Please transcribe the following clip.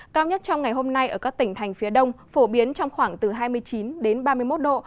cao nhất trong ngày hôm nay ở các tỉnh thành phía đông phổ biến trong khoảng từ hai mươi chín đến ba mươi một độ